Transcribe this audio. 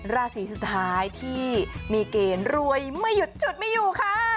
ราศีสุดท้ายที่มีเกณฑ์รวยไม่หยุดฉุดไม่อยู่ค่ะ